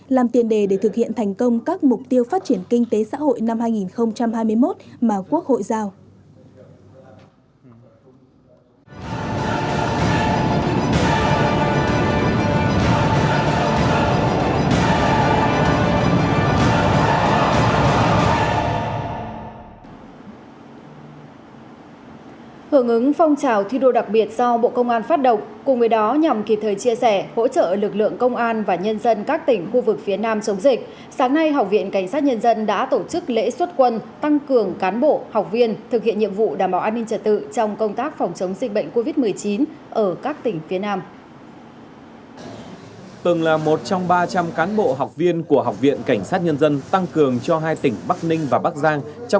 làm tiền đề để thực hiện thành công các mục tiêu phát triển kinh tế xã hội năm hai nghìn hai mươi một mà quốc hội giao